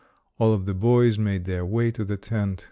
All of the boys made their way to the tent.